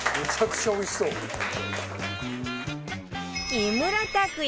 木村拓哉